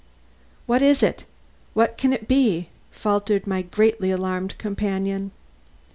"What is it? What can it be?" faltered my greatly alarmed companion.